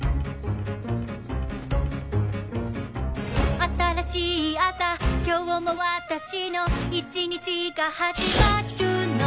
「新しい朝今日も私の一日が始まるの」